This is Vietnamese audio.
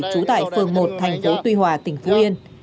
chú tại phường một tp tuy hòa tỉnh phú yên